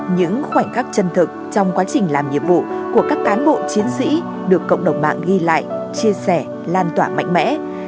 những khoảnh khắc chân thực trong quá trình làm nhiệm vụ của các cán bộ chiến sĩ được cộng đồng mạng ghi lại chia sẻ lan tỏa mạnh mẽ